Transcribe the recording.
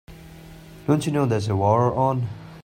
Don't you know there's a war on?